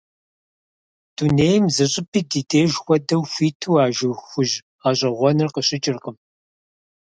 Дунейм зы щӀыпӀи ди деж хуэдэу хуиту а жыг хужь гъэщӀэгъуэныр къыщыкӀыркъым.